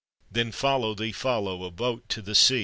Then follow thee! follow ! a boat to the Ma!